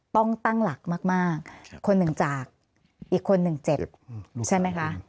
ต้องตั้งหลักมากคนหนึ่งจากอีกคนหนึ่งเจ็บใช่ไหมคะ